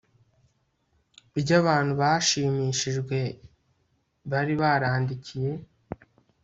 ry abantu bashimishijwe bari barandikiye